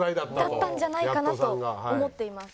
だったんじゃないかなと思っています。